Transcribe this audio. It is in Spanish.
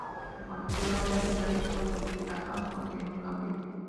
Su frontera oriental estaba sujeta a continuos cambios.